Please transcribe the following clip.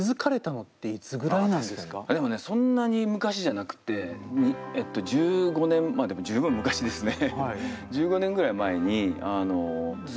そんなに昔じゃなくて１５年でも十分昔ですね。